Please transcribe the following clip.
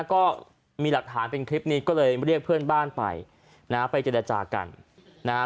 ก็มีหลักฐานเป็นคลิปนี้ก็เลยเรียกเพื่อนบ้านไปนะฮะไปเจรจากันนะฮะ